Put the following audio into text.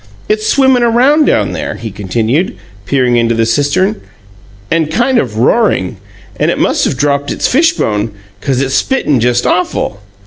"It's swimmin' around down there," he continued, peering into the cistern, "and kind of roaring, and it must of dropped its fishbone, 'cause it's spittin' just awful.